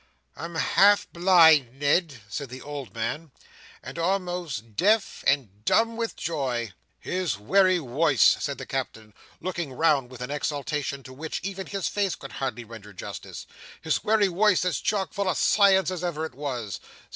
"I'm half blind, Ned," said the old man, "and almost deaf and dumb with joy." "His wery woice," said the Captain, looking round with an exultation to which even his face could hardly render justice—"his wery woice as chock full o' science as ever it was!